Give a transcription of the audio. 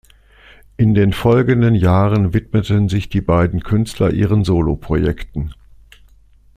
In den folgenden Jahren widmeten sich die beiden Künstler ihren Soloprojekten.